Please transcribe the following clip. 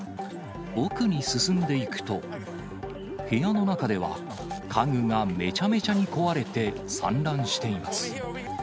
奥に進んでいくと、部屋の中では、家具がめちゃめちゃに壊れて、散乱しています。